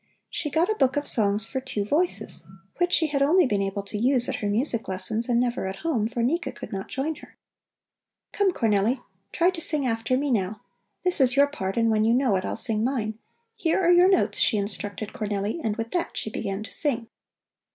She got a book of songs for two voices, which she had only been able to use at her music lessons and never at home, for Nika could not join her. "Come, Cornelli, try to sing after me now. This is your part, and when you know it, I'll sing mine. Here are your notes," she instructed Cornelli, and with that she began to sing.